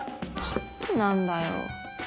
どっちなんだよ